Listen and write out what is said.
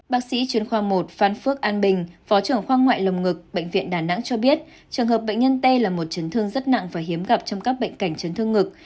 bác sĩ chuyên khoa một phan phước an bình phó trưởng khoa ngoại lồng ngực bệnh viện đà nẵng cho biết trường hợp bệnh nhân t là một chấn thương rất nặng và hiếm gặp trong các bệnh cảnh chấn thương ngực